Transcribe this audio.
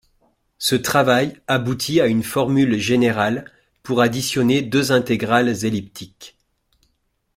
Ce travail aboutit à une formule générale pour additionner deux intégrales elliptiques.